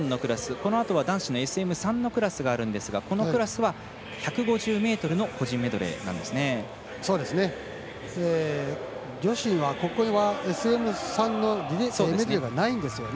このあとは男子のＳＭ３のクラスがあるんですがこのクラスは１５０ｍの個人メドレーなんですね。